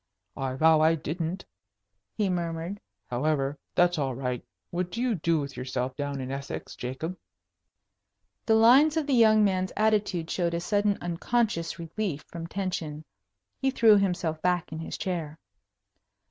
"I vow I didn't," he murmured. "However, that's all right. What do you do with yourself down in Essex, Jacob?" The lines of the young man's attitude showed a sudden unconscious relief from tension. He threw himself back in his chair.